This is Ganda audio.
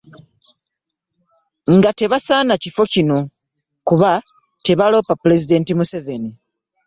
Nga tebasaana kifo kino kuba tebaalonda Pulezidenti Museveni.